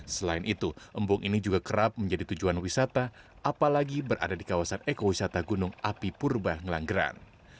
selain itu embung ini juga kerap menjadi tujuan wisata apalagi berada di kawasan ekowisata gunung api purba ngelanggeran